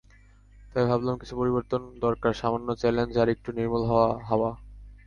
তাই ভাবলাম কিছু পরিবর্তন দরকার, সামান্য চ্যালেঞ্জ আর একটু নির্মল হাওয়া।